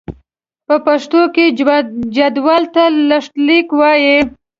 په پښتو کې جدول ته لښتليک وايي.